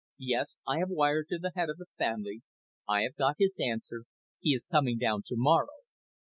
"Yes, I have wired to the Head of the Family. I have got his answer. He is coming down to morrow.